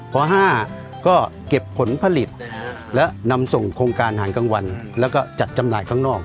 ข้อ๕ก็เก็บผลผลิตและนำส่งโครงการอาหารกลางวันแล้วก็จัดจำหน่ายข้างนอก